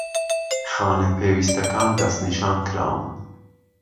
خانە پێویستەکان دەستنیشانکراون